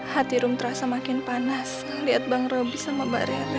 hati rum terasa makin panas liat bang robi sama mbak rere